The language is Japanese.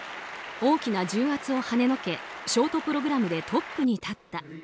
大きな重圧をはねのけショートプログラムでトップに立った。